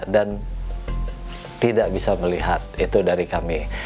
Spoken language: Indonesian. dan tidak bisa melihat itu dari kami